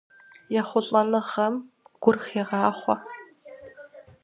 ЕхъулӀэныгъэм гур хегъахъуэ.